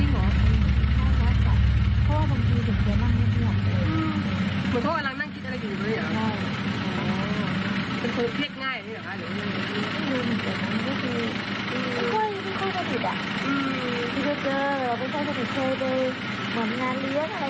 ไม่ค่อยเจอไม่ใช่เจอไปหลังงานเลี้ยงอะไรอย่างเงี้ยครับ